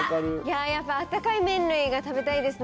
やっぱあったかい麺類が食べたいですね。